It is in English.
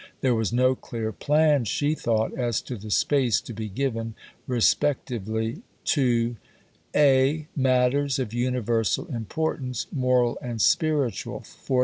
There was no clear plan, she thought, as to the space to be given, respectively, to: (a) Matters of universal importance, moral and spiritual (_e.